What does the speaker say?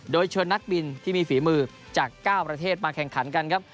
โดยเชิญนักบินที่มีฝีมือจาก๙ประเทศมาแข่งขันกันครับ